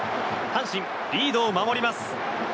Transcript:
阪神、リードを守ります。